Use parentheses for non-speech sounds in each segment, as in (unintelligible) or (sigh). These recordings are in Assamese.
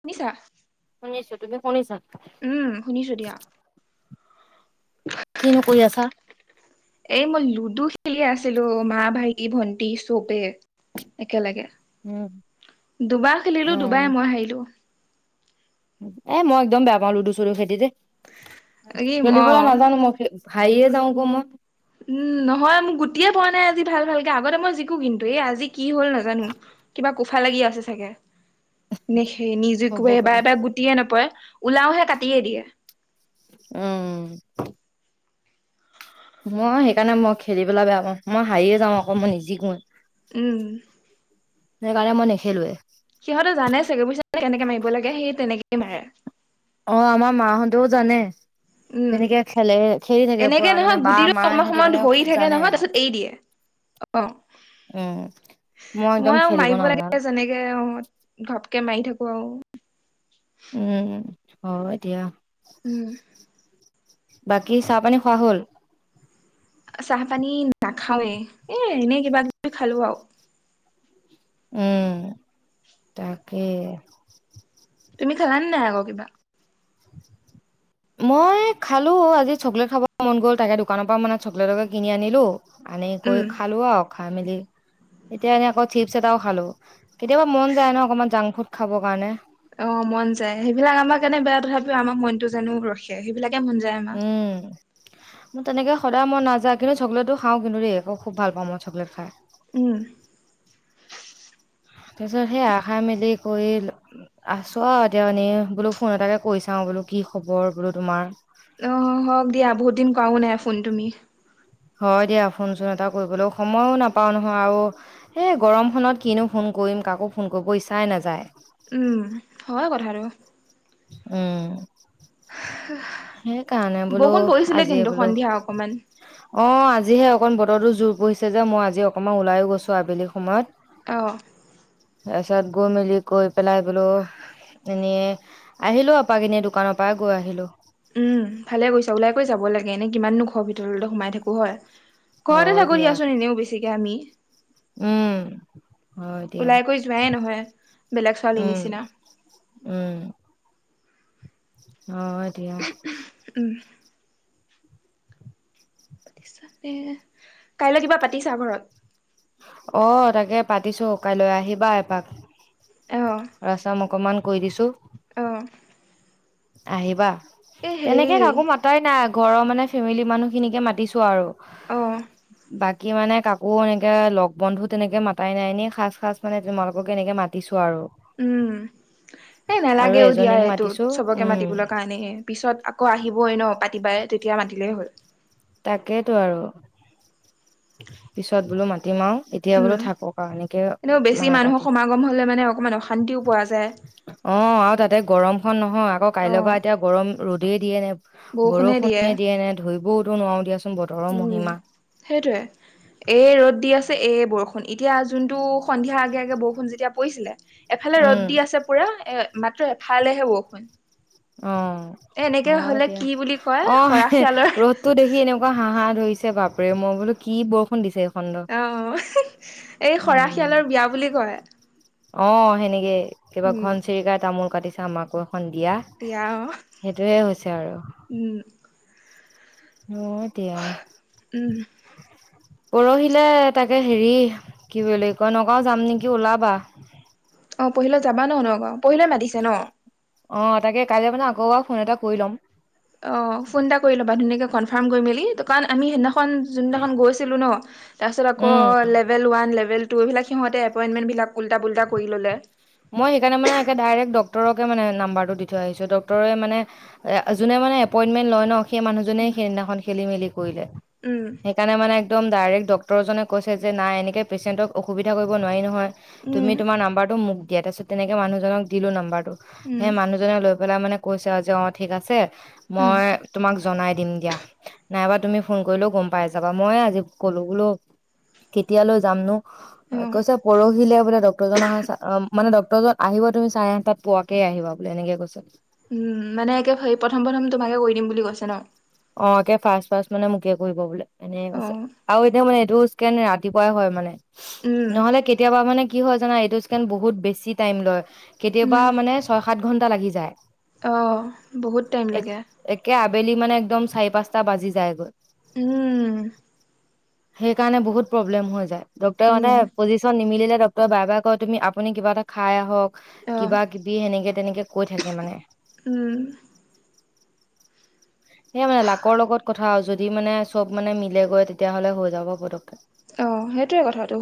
শুনিছা? শুনিছো, তুমি শুনিছা নাই? উম শুনিছো দিয়া। কিনো কৰি আছা? এই মই লুডু খেলি আছিলো মা, ভাইটি-ভন্টি চ'বে একেলেগে। উম। দুবাৰ খেলিলো, উম, দুবাই মই হাৰিলো এ মই একদম বেয়া পাও লুডু-চুডু খেতিতে। এই অ খেলিবলৈ নাজানো মই খে ভাই এ যাওঁ ক মই। উম নহয় মোক গোটিয়েই পোৱা নাই আজি ভাল-ভালকে আগতে মই জিকো কিন্তু, এই আজি কি হ'ল নাজানো। কিবা কোফা লাগি আছে চাগে? নে সেই নিজু হ'ব কোবাৰ পাৰে। এবাৰ গুটিয়ে নপৰে, ওলাওহে কাটিয়ে দিয়ে। উম। মই সেইকাৰণে মই খেলি পেলাই বেয়া পাওঁ। মই হাৰিয়ে যাওঁ আকৌ মই নিজিকোৱে। উম। সেইকাৰণে মই নেখেলোএ। সিহঁতে জানে চাগে (unintelligible) কেনেকে মাৰিব লাগে, সি তেনেকেই মাৰে। অ আমাৰ মাহঁতেও জানে। উম তেনেকে খেলে, খেলি থাকে এনেকে পুৰা মানে নহয় বা, গুটিটো মা অকমান সিহঁতি সময় মানে ধৰি খুব থাকে জানে নহয় আৰু। তাৰপিছত এৰি দিয়ে অ। উম, মই একদম আৰু খেলিব মাৰিব লাগে নাজানো। যেনেকে অত ঘাপকে মাৰি থাকো আৰু উম হয় দিয়া। উম। বাকী চাহ পানী খোৱা হ'ল? চাহ পানী নাখাওৱে এ এনে কিবা -কিবি খালো আওঁ। উম, তাকে। তুমি খালানে নাই আকৌ কিবা? মই খালো, আজি চকলেট খাব মন গ'ল তাকে দোকানৰ পৰা মানে চকলেটকে কিনি আনিলো। আনে কৰি উম খালো আউ, খাই মেলি। এতিয়া এনেই আকৌ চিপছ এটাও খালো। কেতিয়াবা মন যায় ন অকনমান জাংক ফুড খাবৰ কাৰণে। অ, মন যায় সেইবিলাক আমাৰ কাৰণে বেয়া তথাপিও আমাৰ মনটো জানো ৰখে, সেইবিলাকে মন যায় আমাৰ। উম মোৰ তেনেকে সদায় মই নাযা কিন্তু চকলেটো খাওঁ কিন্তু দেই মই খুব ভাল পাওঁ মই চকলেট খাই। উম, তাৰছত সেইয়া আহা মেলি কৰি আছো আও এতিয়া মানে বোলো ফোন এটাকে কৰিছাওঁ বোলো কি খবৰ বোলো তোমাৰ? অ, হওক দিয়া বহুত দিন কৰাও নাই ফোন তুমি। হয় দিয়া ফোনচোন এটা কৰিবলৈও সময়ো নাপাওঁ নহয় আৰু। হে গৰমখনত কিনো ফোন কৰিম কাকো ফোন কৰিব ইচ্ছাই নাযায়। উম, হয় কথাটো। উম, সেইকাৰণে বোলো বৰষুণ পৰিছিলে আজিয়ে কিন্তু বোলো। সন্ধিয়া অকমান অ, আজিহে অকন বতৰতো জোৰ পৰিছে যে মই আজি অকমান ওলায়ো গৈছো আবেলি সময়ত। অ', তাৰছত গৈ মেলি কৈ পেলাই বোলো এনে আহিলো আপাক এনে দোকানৰ পা গৈ আহিলো। উম, ভালে গৈছ ওলাই কৈ যাব লাগে এনেই কিমাননো ঘৰৰ ভিতৰলে সোমাই থাকো হয়। গৰতে হয় থাকো‌ দিয়া দিয়াচোন এনেও বেছিকে আমি। উম। হয় দিয়া ওলাই কৈ যোৱাই নহয় বেলেগ ছোৱালী উম, নিচিনা। উম। অ, হয় দিয়া। উম, পিচতে কাইলৈ কিবা পাতিছা ঘৰত? অ, তাকে পাতিছো কাইলৈ আহিবা এপাক। অ ৰাচম অকমান কৰি দিছোঁ। অ', আহিবা এই হেৰি তেনেকে কাকো মাতাই নাই ঘৰৰ মানে ফেমিলি মানুহ খিনিকে মাতিছো আৰু। অ', বাকী মানে কাকো এনেকে লগ বন্ধু তেনেকে মাতাই নাই এনে খাচ - খাচ মানে তোমালোকক এনেকে মাতিছো আৰু। উম, এ আৰু নেলাগেও দিয়া এজনীক এইটো চব মাতিছো চবকে উম মাতিবলে কাৰণে হে পিছত আকৌ আহিবই ন, পাতিবাই তেতিয়া মাতিলেই হ'ল। তাকেইতো আৰু। পিছত বোলো মাতিম আও এতিয়া উম বোলো থাকক আও এনেকে মানে পাতিম। শান্তিও পোৱা যায়। অ, আৰু তাতে গৰমখন নহয় আকৌ অ কাইলৈ বা এতিয়া গৰম ৰ'দেই দিয়ে নে বৰষুণে দিয়ে নে ধৰিবওতো নোৱাৰো দিয়াচোন বতৰৰ উম মহিমা। সেইটোৱে এই ৰ'দ দি আছে এই বৰষু ষুণ এতিয়া যোনটো সন্ধিয়া আগে- আগে বৰষুণ যেতিয়া পৰিছিলে এফালে উম ৰ'দ দি আছে পুৰা এ মাত্ৰ এফালেহে বৰষুণ। অ, এ এনেকে হয় হলে দিয়া কি বুলি কয় অ, হে খৰাশিয়ালৰ ৰ'দটো দেখি এনেও এনেকুৱা হাহা ধৰিছে বাপৰে মই বোলো কি বৰষুণ দিছে। এইখন ৰ। অ, (unintelligible) এই খৰা উম শিয়ালৰ বিয়া বুলি কয়। অ, সেনেকে কিবা উম ঘন চিৰিকাই তামোল কাটিছে আমাকো এখন দিয়া। এতিয়া অ, সেইটোয়ে হৈছে আৰু উম। হব এতিয়া। উম পৰহিলে তাকে হেৰি কি বুলি কয়, নগাওঁ যাম নেকি ওলাবা। অ পহিলৈ যাব ন নগাঁও, পৰহিলে মাতিছে ন। অ, তাকে কাইলে মানে আকৌএবাৰ ফোন এটা কৰি ল'ম। অ, ফোন এটা কৰি ল'বা ধুনীয়াকে কনফাৰ্ম কৰি মেলি তো কাৰণ আমি সেদিনাখন পন যোনদিনাখন গৈছিলো ন, তাৰপিছত আকৌ উম লেবেল ওৱান লেবেল টু তহ এইবিলাক সিহঁতে এপইণ্টমেণ্টবিলাক উল্টা পুলটা কৰি ল'লে। মই সেইকাৰণে মানে ডাইৰেক্ট ডক্তৰকে মানে নাম্বাৰটো দি থৈ আহিছো ডক্ততৰে মানে। যোনে মানে এপইন্টমেন্ট লয় ন সেই মানুহজনে উম, সেইদিনাখন খেলি মেলি কৰিলে। উম, সেইকাৰণে মানে একদম ডাইৰেক্ট ডক্তটৰজনে কৈছে যে নাই এনেকৈ পেচেণ্টক অসুবিধা কৰিব নোৱাৰি নহয়। তুমি তোমাৰ নাম্বাৰটো মোক দিয়া তাৰপিছত তেনেকে মানুহজনক দিলো নাম্বাৰটো উম, সে মানুহ- জনে লৈ পেলাই মানে কৈছে আৰু যে অ ঠিক আছে উম, মই- তোমাক জনাই দিম দিয়া নাইবা তুমি ফোন কৰিলেও গম পাই যাবা মই আজি ক'লো বোলো- কেতিয়ালৈ যামনো অ' কৈছে পৰহিলে বোলে ডক্তৰ জন অহা- মানে ডক্তৰ জন আহিব তুমি চাৰে আঠটাত পোৱাকে আহিবা বোলে এনেকে কৈছে। উম মানে একে হে প্ৰথম প্ৰথম তোমাকে কৰি দিম বুলি কৈছে ন। অ কে ফাৰ্চ ফাৰ্চ মানে মোকে কৰিব বোলে এনেকে কৈছে। অ' আৰু এতিয়া মানে এইটো ইচকেন ৰাতিপুৱাই হয় মানে উম, নহলে কেতিয়াবা মানে- কি হয় জানা এইটো ইচকেন বহুত বেছি টাইম লয় উম, কেতিয়াবা মানে ছয় সাত ঘন্টা লাগি যায়। অ বহুত টাইম এক লাগে। একে আবেলি মানে একদম চাৰি পাঁচটা বাজি যায়গৈ। উম সেই কাৰণে বহুত প্ৰব্লেম হৈ যায় ডক্তৰ উম, মানে পজিশন নিমিলিলে- তই বাৰে বাৰে কয় তুমি আপুনি কিবা এটা খাই আহক অ' কিবা কিবি সেনেকে তেনেকে কৈ থাকে মানে। উম সেই মানে লাকৰ লগত কথা আৰু যদি মানে চব মানে মিলে গৈ তেতিয়াহ'লে হৈ যাব পতককে অ সেইটোৱে কথাটো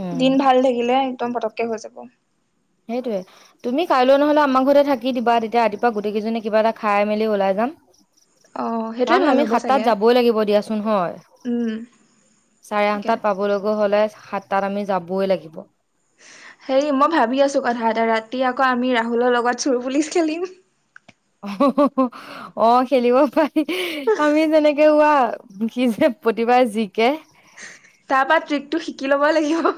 উম দিন ভাল থাকিলে একদম পতককে হৈ যাব। সেইটোৱে তুমি কাইলৈ নহ'লে আমাৰ ঘৰতে থাকি দিবা তেতিয়া ৰাতিপুৱা গোটেইজনী কিবা এটা খাই মেলি ওলাই যাম। অ' সেইটোৱে কাৰণ ভাল আমি হ'ব সাত চাগে। তাত যাবই লাগিব দিয়াচোন হয়। উম। চাৰে তাকে আঠটাত পাবলগৈ হলে সাত তাত আমি যাবই লাগিব। হেৰি মই ভাবি আছোঁ কথা এটা ৰাতি আকৌ আমি ৰাহুলৰ লগত চোৰ পুলিচ খেলিম। অ অ অ খেলিব পাৰি আমি যেনেকে হোৱা- সি যে প্ৰতিবাৰে জিকে। তাৰ পৰা ট্ৰিকটো শিকি ল'ব লাগিব।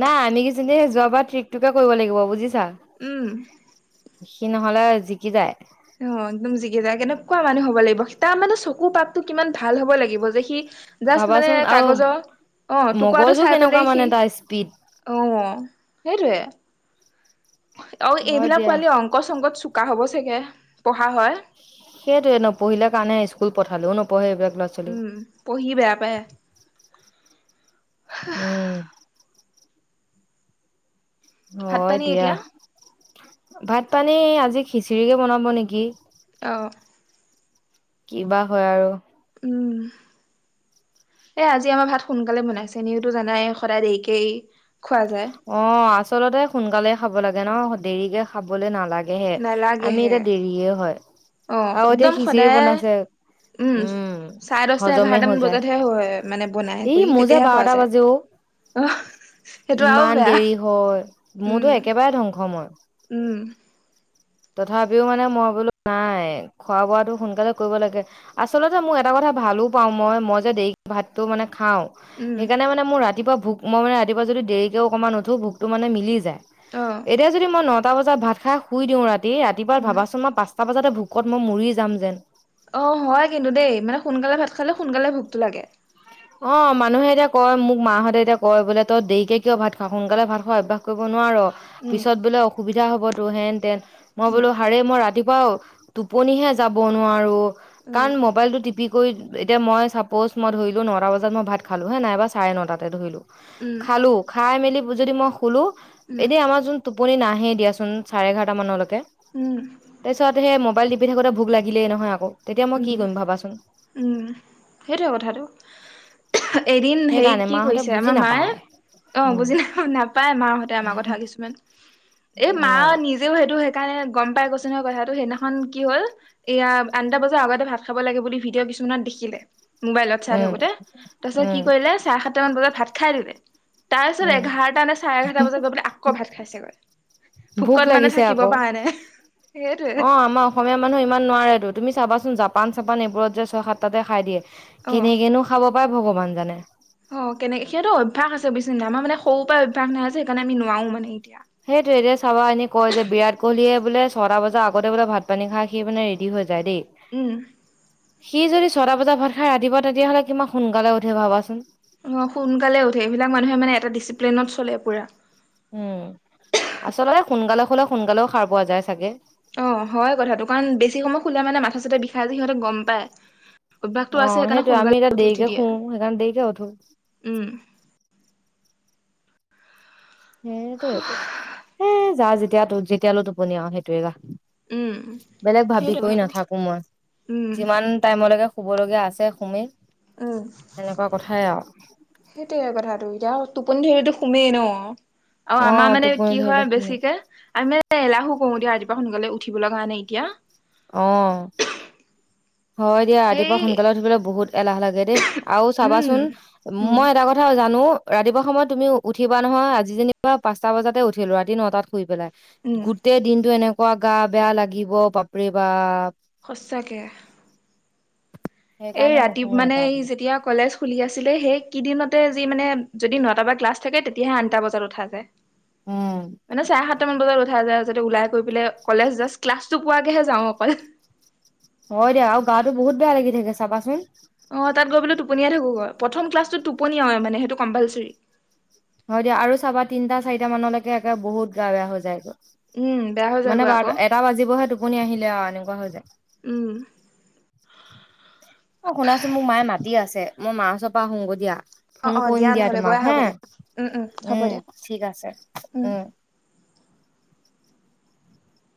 নাই আমি কেজনীয়ে যোৱাবাৰ ট্ৰিকটোকে কৰিব লাগিব বুজিছা। উম সি নহলে জিকি যায়। অ একদম জিকি যায় কেনেকুৱা মানুহ হ'ব লাগিব তাৰ মানে চকু পাপটো কিমান ভাল হব লাগিব যে সি- জাষ্ট মানে ভাবাচোন আৰু কাগজৰ অ টুকুৰাটো মগজু চাই কেনেকুৱা পেলাই মানে সি- তাৰ স্পীড অঁ সেইটোৱে- অ হয় এইবিলাক দিয়া পোৱালি অংক চংকত চোকা হব চাগে পঢ়া হয়। সেইটোৱে নপঢ়িলে কাৰণে স্কুল পাথালেও নপঢ়ে এইবিলাক লৰা ছ- উম পঢ়ি বেয়া পায়। উম ভাত হয় পানী দিয়া, এতিয়া ভাত পানী আজি খিচিৰিকে বনাব নেকি। অহ কিবা হয় আৰু। উম এই আজি আমাৰ ভাত সোনকালে বনাইছে এনেইতো জানাই সদায় দেৰিকেই খোৱা যায়। অ, আচলতে সোনকালে খাব লাগে ন দেৰিকে খাবলে নালাগে। লাকেহে আমি নালাগেহে এতিয়া দেৰিয়ে হয় অ আৰু এতিয়া একদম খিচিৰি সদায় বনাইছে। উম, চাৰে দহটা হজমে হৈ এঘাৰটামান যায় বজাতহে হয় মানে বনাই এই কৰি মোৰ যে তেতিয়াহে খোৱা বাৰটা যায় বাজে অ, অ সেইটো আৰু ইমান বেয়া দেৰি হয় উম মোৰতো একেবাৰে ধ্বংস মই। উম তথাপিও মানে মই বোলো নাই খোৱা বোৱাটো সোনকালে কৰিব লাগে। আচলতে মোক এটা কথা ভালো পাও মই - মই যে দেৰি ভাতটো মানে খাও উম সেইকাৰণে মানে মোৰ ৰাতিপুৱা ভোক মই মানে ৰাতিপুৱা যদি দেৰিকেও অকণমান দেৰি কেও অকণমান উঠো ভোকটো মানে মিলি যায়। অ এতিয়া যদি মই নটা বজাত ভাত খাই শুই দিও ৰাতি - ৰাতিপুৱা উম ভাবাচোন মই পাঁচ তা বজাতে ভোকত মই মৰি যাম যেন। অ, হয় কিন্তু দেই মানে সোনকালে ভাত খালে সোনকালে ভোকতটো লাগে। অ, মানুহে এতিয়া কয় মোক মাহতে এতিয়া কয় বোলে তই দেৰিকে কিয় ভাত খোৱা সোনকালে ভাত খোৱা অভ্যাস কৰিব নোৱাৰ। উম পিছত বোলে অসুবিধা হ'বতো হেন তেন মই বোলো আৰে মই ৰাতিপুৱা টোপনিহে যাব নোৱাৰো উম কাৰণ মবাইলটো টিপি এতিয়া মই চাপ'জ মই ধৰিলো নটা বজাত মই ভাত খালো হে নাইবা চাৰে নটাতে ধৰিলো উম, খালো খাই মেলি যদি মই শুলো উম এতিয়া আমাৰ যোন টোপনি নাহে দিয়াচোন চাৰে এঘাৰটা মানলৈকে উম তাৰপিছত সেই মোবাইল টিপি থাকোতে ভোক লাগিলেই নহয় আকৌ তেতিয়া মই কি উম কৰিম ভাবাচোন। উম, সেইটোৱে কথাটো। এদিন হেৰি সেইকাৰণে কি মাহঁতে কৰিছে বুজি আমাৰ মায়ে নাপায় অ, উম বুজি নাপ নাপায় মাহতে আমাৰ কথা কিছুমান এই অ মা নিজ ও সেইটো সেইকাৰণে গম পাই কৈছ নহয় কথাটো সেইদিনাখন কি হ'ল এয়া টা বজা আগতে ভাত খাব লাগে বুলি ভিডিঅ' কিছুমানত দেখিলে মোবাইলত চাই উম থাকোতে তাৰপিছত কি উম কৰিলে চাৰে সাতটা মান বজাত ভাত খাই দিলে। তাৰপিছত উম এঘাৰটা নে চাৰে এঘাৰটা বজাত গৈ পেলে আকৌ ভাত খাইছেগৈ। ভোক ভোকত মানে লাগিছে থাকিব আকৌ পৰা নাই অ সেইটোৱে। আমাৰ অসমীয়া মানুহ ইমান নোৱাৰেতো তুমি চাবাচোন জাপান চাপান এইবোৰত যে ছয় সাতটাতে খাই দিয়ে অ কেনেকেনো খাব পাই ভগৱান জানে। অ, কেনেক সিহটো অভ্যাস আ বেছিাই আমাৰ মান সৰুৰ পৰাই অভ্যাস নাই আছে সেইকাৰণ আমি নোৱাৰো মানে এতিয়া। সেইটোৱে এতিয়া চাবা এনে কয় যে বিৰাট কোহলিয়ে বোলে ছটা বজাৰ আগতে বোলে ভাত পানী খাই সি মানে ৰেডি হৈ যায় দেই উম, সি যদি ছটা বজাত ভাত খাই ৰান্ধিব তেতিয়াহলে কিমান সোনকালে উঠে ভাবাচোন। অ, সোনকালে উঠে স এইবিলাক মানুহে মানে এটা ডিচিপ্লিনত চলে পুৰা। উম, আচলতে সোনকালে হ'লে সোনকালেও সাৰ পোৱা যায় চাগে। অ, হয় কথাটো কাৰণ বেছি সময় খোলা মানে মাথা চাথা বিষাই যে সিহঁতে গম পায়। অভ্যাসটো আছে অ', সেইকাৰণে সেইটোয়ে আমি এতিয়া সোনকালে উঠি - দেৰিকে উঠি শু দিয়ে সেইকাৰণে দেৰিকে উঠো উম, সেইটোয়ে হেই যা যেতিয়া যেতিয়ালৈ টোপনি আৰু সেইটোয়ে। উম বেলেগ ভাবি সেইটোৱে কৰি কথাটো নাথাকো মই উম যিমান টাইমলৈকে শুবলগীয়া আছে সোমেই। উম, সেইটোৱে কথাটো এতিয়া টোপনি ধৰিলেটো সোমেই ন। অ, আমাৰ অ', মানে টোপনি কি ধৰিলে হয় শুমেই বেছিকে আমি মানে এ-এলাহো ক-কৰো দিয়া ৰাতিপুৱা সোনকালে উঠিব লগা নাই এতিয়া। অ', হয় দিয়া সেই ৰাতিপুৱা সোনকালে উঠিবলৈ বহুত এলাহ লাগে দেই আৰু উম চাবাচোন। উম মই এটা কথা জানো ৰাতিপুৱা সময়ত তুমি উঠিবা নহয় আজি যেনিব বা পাঁচ পাচটা বজাতে উঠিলো ৰাতি নটাত শুই পেলাই। উম গোটেই দিনটো এনেকুৱা গা বেয়া লাগিব বাপৰে বাপ। সঁচাকে। এই সেইকাৰণে ৰাতি নুশুৱে মানে এটা এই বোলো যেতিয়া কলেজ খুলি আছিলে সেই কিদিনতে যি মানে যদি নটা বা ক্লাছ থাকে তেতিয়াহে আঠটা বজাত উঠা যায়। উম মানে চাৰে সাতটামান বজাত উঠাই যায় যাতে ওলাই, গৈ পেলাই কলেজ জাষ্ট ক্লাছটো পোৱাকৈহে যাওঁ অকল। হয় দে আৰু গাটো বহুত বেয়া লাগি থাকে চাবাচোন। অ, তাত গৈ পানে টোপনিয়াই থাকোগৈ প্ৰথম ক্লাছটোত টোপনিয়াওয়ে মানে সেইটো কম্পালচৰি। হয় দিয়া আৰু চাবা তিনিটা চাৰিটা মানলৈকে একে বহুত গা বেয়া হৈ উম বেয়া হৈ যায়। মানে যায়গৈ আকৌ বাৰ এটা বাজিবহে টোপনি আহিলে আৰু এনেকুৱা হৈ যায়। উম, অ শুনাচোন মোৰ মায়ে মাতি আছে মই মাৰ ওৰ পৰা আহোঁগৈ দিয়া। অ ফোন অ কৰিম দিয়া নহ'লে গৈ তোমাক হা আহাগৈ দিয়া। উম হ'ব দিয়া উম ঠিক আছে উম।